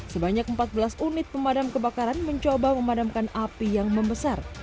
sebanyak empat belas unit pemadam kebakaran mencoba memadamkan api yang membesar